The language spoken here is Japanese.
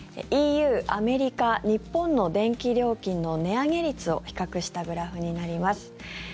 ＥＵ、アメリカ、日本の電気料金の値上げ率を比較したグラフになります。